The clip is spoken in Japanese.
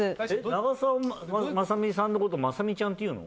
長澤まさみさんのことをまさみちゃんって言うの？